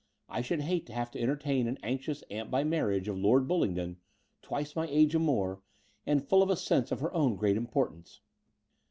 I should hate to have to entertain an anxious atmt by marriage of Lord Bullingdon, twice my age and more, and full of a sense of her own great importance."